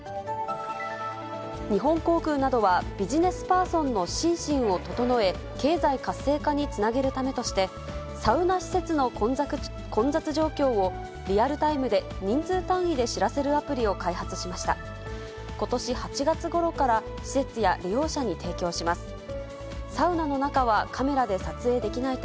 日本航空などは、ビジネスパーソンの心身を整え、経済活性化につなげるためとして、サウナ施設の混雑状況をリアルタイムで人数単位で知らせるアプリを開発しました。